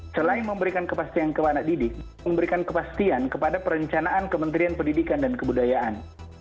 selain memberikan kepastian kepada anak didik memberikan kepastian kepada perencanaan kementerian pendidikan dan kebudayaan